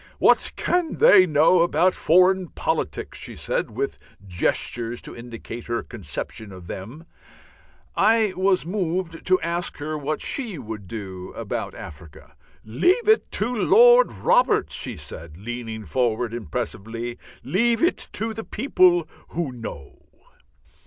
"What can they know about foreign politics?" she said, with gestures to indicate her conception of them. I was moved to ask her what she would do about Africa. "Leave it to Lord Robert!" she said, leaning forward impressively. "_Leave it to the people who know.